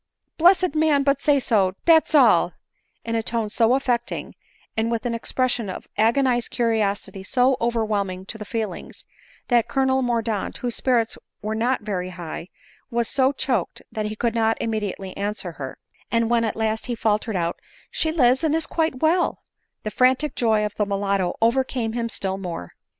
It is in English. Blessed man ! but say so, dat's all," in a tone so affecting, and with an expression of ag onized curiosity so overwhelming to the feelings, that Colonel Mordaunt, whose spirits were not very high, was so choked that he could not immediately answer her ; and when at last he faltered out, " She lives, and is quite well," the frantic joy of the mulatto overcame him still more.